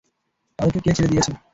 তাদেরকে কে ছেড়ে দিয়েছে?